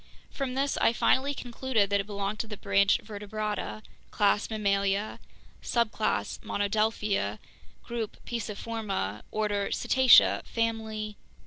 From this I finally concluded that it belonged to the branch Vertebrata, class Mammalia, subclass Monodelphia, group Pisciforma, order Cetacea, family